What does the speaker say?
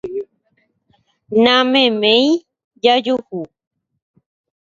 Nameméi jajuhu